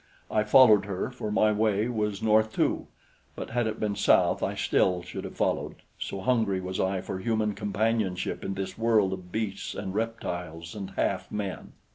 I followed her, for my way was north too; but had it been south I still should have followed, so hungry was I for human companionship in this world of beasts and reptiles and half men.